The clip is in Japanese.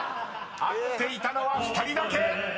［合っていたのは２人だけ！］